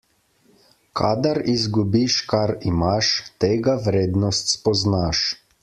Kadar izgubiš, kar imaš, tega vrednost spoznaš.